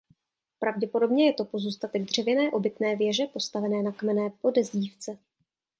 Pravděpodobně je to pozůstatek dřevěné obytné věže postavené na kamenné podezdívce.